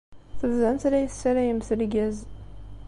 Tebdamt la iyi-d-tessalayemt lgaz.